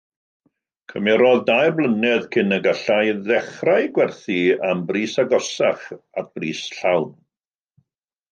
Cymerodd dair blynedd cyn y gallai ddechrau gwerthu am bris agosach at bris llawn.